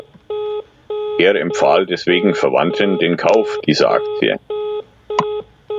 Er empfahl deswegen Verwandten den Kauf dieser Aktie.